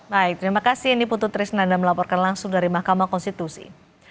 baik terima kasih ini putu trisnanda melaporkan langsung dari mahkamah konstitusi